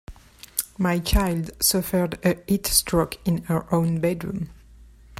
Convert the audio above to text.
My child suffered a heat stroke in her own bedroom.